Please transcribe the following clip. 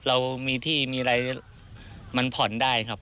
เรามีที่มีอะไรมันผ่อนได้ครับ